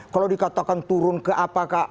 kalau dikatakan turun ke apakah